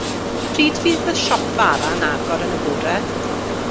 Pryd fydd y siop fara yn agor yn y bore?